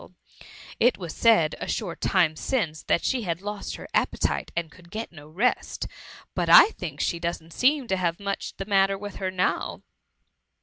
*^ It was said a short time since, that she had lost her appetite and could get no rest ; but I think she doesn't seem to have much the xnatter with her now.''